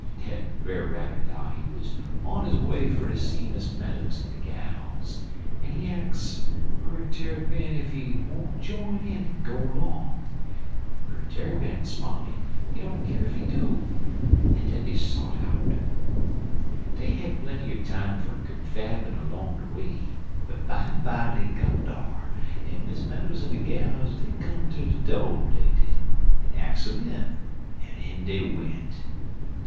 Den Brer Rabbit 'low he wuz on his way fer ter see Miss Meadows en de gals, en he ax Brer Tarrypin ef he won't jine in en go long, en Brer Tarrypin 'spon' he don't keer ef he do, en den dey sot out. Dey had plenty er time fer confabbin' 'long de way, but bimeby dey got dar, en Miss Meadows en de gals dey come ter de do', dey did, en ax um in, en in dey went.